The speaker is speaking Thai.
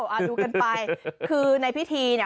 เอาดูกันไปคือในพิธีเนี่ย